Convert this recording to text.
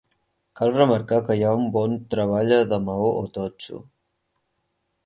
Cal remarcar que hi ha un bon treballa de maó o totxo.